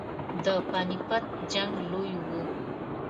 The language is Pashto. د پاني پټ جنګ لوی وو.